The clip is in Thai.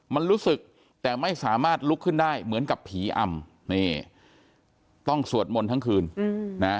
มันรู้สึกแต่ไม่สามารถลุกขึ้นได้เหมือนกับผีอำนี่ต้องสวดมนต์ทั้งคืนนะ